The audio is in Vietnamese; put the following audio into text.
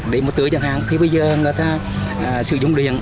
để một tứa chẳng hạn thì bây giờ người ta sử dụng điện